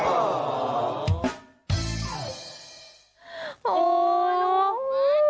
โอ้โฮลูก